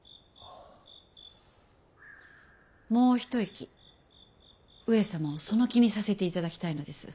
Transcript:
もう一息上様をその気にさせて頂きたいのです。